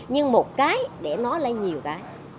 nhưng một cái để nó lấy nhiều cái